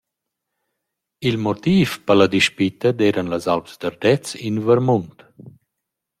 Il motiv per la dispitta d’eiran las alps d’Ardez in Vermunt.